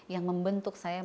yang membentuk saya menjadi